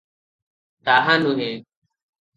ତାହା ନୁହେଁ ।